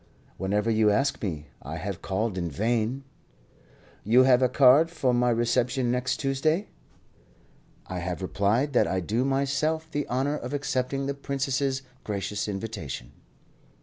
"Whenever you ask me. I have called in vain." "You have a card for my reception next Tuesday?" "I have replied that I do myself the honour of accepting the Princess's gracious invitation."